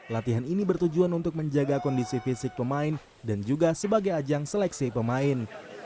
latihan ini bertujuan untuk menjaga kondisi fisik pemain dan juga sebagai ajang seleksi pemain